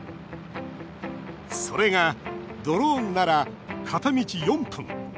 それが、ドローンなら片道４分。